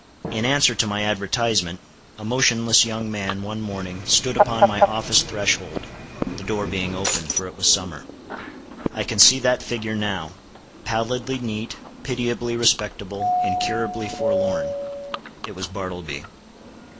In answer to my advertisement, a motionless young man one morning, stood upon my office threshold, the door being open, for it was summer. I can see that figure now—pallidly neat, pitiably respectable, incurably forlorn! It was Bartleby.